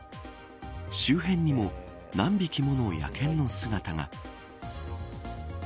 周辺にも何匹もの野犬の姿が。